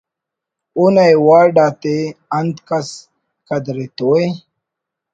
اونا ایوارڈ آتے انت کس قدر ایتو ءِ